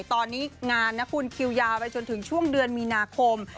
ตอนนี้งานนะคุณคิวยาวไปจนถึงช่วงเดือนมีนาคม